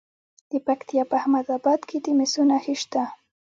د پکتیا په احمد اباد کې د مسو نښې شته.